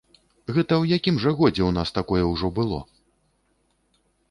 Гэта ў якім жа годзе ў нас такое ўжо было?